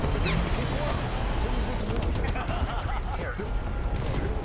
僕は全然気付かなかったです。